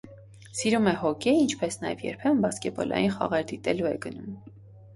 Սիրում է հոկեյ, ինչպես նաև երբեմն բասկետբոլային խաղեր դիտելու է գնում։